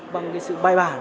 bằng sự bài bản